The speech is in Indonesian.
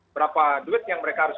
berapa duit yang mereka harus